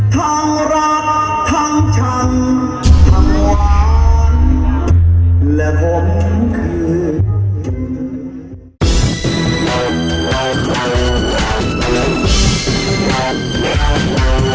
ทั้งรักทั้งชังทั้งวานและพบคืน